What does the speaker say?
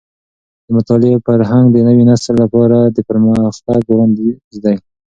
د مطالعې فرهنګ د نوي نسل لپاره د پرمختګ وړاندیز دی.